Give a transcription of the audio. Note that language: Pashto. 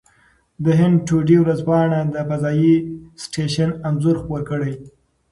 د هند ټوډې ورځپاڼه د فضايي سټېشن انځور خپور کړی.